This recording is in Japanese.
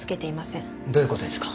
どういう事ですか？